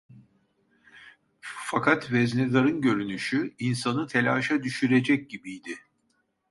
Fakat veznedarın görünüşü insanı telaşa düşürecek gibiydi.